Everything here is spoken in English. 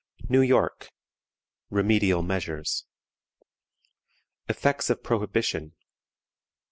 NEW YORK. REMEDIAL MEASURES. Effects of Prohibition.